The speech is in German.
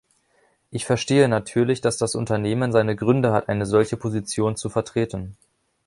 Ich verstehe natürlich, dass das Unternehmen seine Gründe hat, eine solche Position zu vertreten.